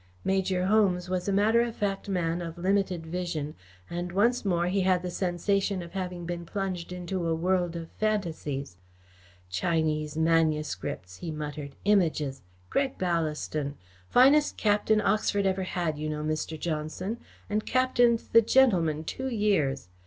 Major Holmes was a matter of fact man of limited vision, and once more he had the sensation of having been plunged into a world of phantasies. "Chinese manuscripts!" he muttered. "Images! Greg Ballaston! Finest captain Oxford ever had, you know, Mr. Johnson, and captained the Gentlemen two years.